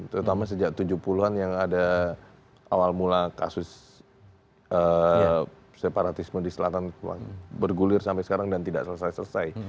terutama sejak tujuh puluh an yang ada awal mula kasus separatisme di selatan bergulir sampai sekarang dan tidak selesai selesai